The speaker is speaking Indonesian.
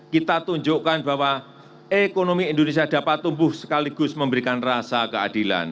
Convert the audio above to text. kita tunjukkan bahwa ekonomi indonesia dapat tumbuh sekaligus memberikan rasa keadilan